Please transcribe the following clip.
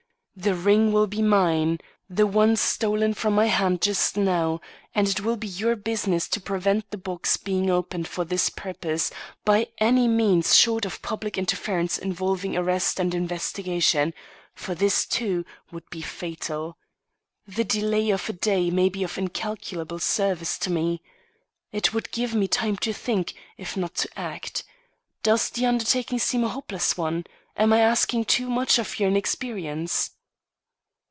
The ring will be mine the one stolen from my hand just now and it will be your business to prevent the box being opened for this purpose, by any means short of public interference involving arrest and investigation; for this, too, would be fatal. The delay of a day may be of incalculable service to me. It would give me time to think, if not to act. Does the undertaking seem a hopeless one? Am I asking too much of your inexperience?"